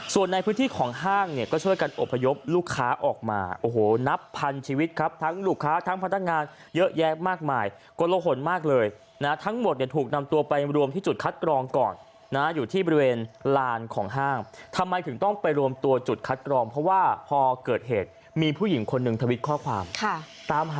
ส่วนในพื้นที่ของห้างเนี่ยก็ช่วยกันอบพยพลูกค้าออกมาโอ้โหนับพันชีวิตครับทั้งลูกค้าทั้งพนักงานเยอะแยะมากมายกลหนมากเลยนะทั้งหมดเนี่ยถูกนำตัวไปรวมที่จุดคัดกรองก่อนนะอยู่ที่บริเวณลานของห้างทำไมถึงต้องไปรวมตัวจุดคัดกรองเพราะว่าพอเกิดเหตุมีผู้หญิงคนหนึ่งทวิตข้อความตามหา